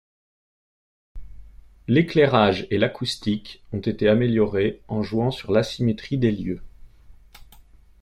L'éclairage et l'acoustique ont été améliorés en jouant sur l'asymétrie des lieux.